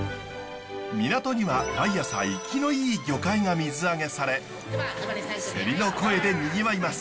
港には毎朝生きのいい魚介が水揚げされセリの声でにぎわいます。